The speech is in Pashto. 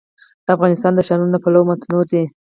افغانستان د ښارونه له پلوه متنوع دی.